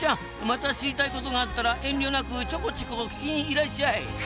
また知りたいことがあったら遠慮なくちょこチコ聞きにいらっしゃい！